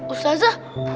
emangnya mau kemana ya